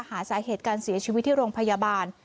หาสาเหตุการเสียชีวิตที่โรงพยาบาล